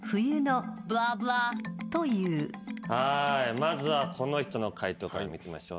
まずはこの人の解答から見てみましょう。